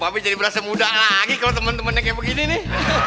tapi jadi berasa muda lagi kalau temen temennya kayak begini nih